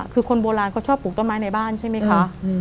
คือคนโบราณเขาชอบปลูกต้นไม้ในบ้านใช่ไหมคะ